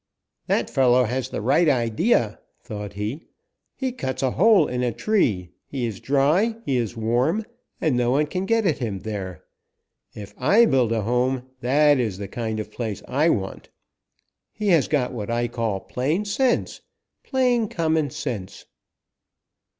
'That fellow has the right idea,' thought he. 'He cuts a hole in a tree; he is dry; he is warm; and no one can get at him there. If I build a home, that is the kind of place I want. He has got what I call plain sense, plain common sense!'